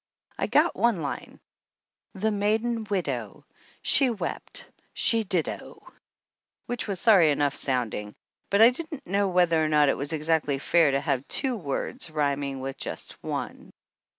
I got one line, "The maiden widow, she wept, she did, oh!" which was sorry enough sounding, but I didn't know whether or not it was exactly fair to have two words rhyming with just one.